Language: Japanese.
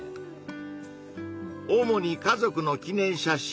おもに家族の記念写真